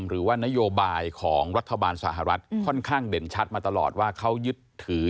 หรือว่านโยบายของรัฐบาลสหรัฐค่อนข้างเด่นชัดมาตลอดว่าเขายึดถือ